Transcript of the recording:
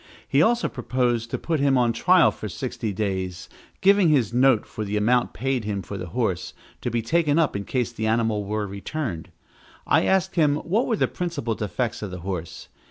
He also proposed to put him on trial for sixty days, giving his note for the amount paid him for the horse, to be taken up in case the animal were returned. I asked him what were the principal defects of the horse.